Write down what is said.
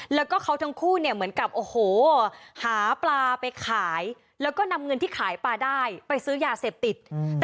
แล้วก็เขาทั้งคู่เนี่ยเหมือนกับโอ้โหหาปลาไปขายแล้วก็นำเงินที่ขายปลาได้ไปซื้อยาเสพติด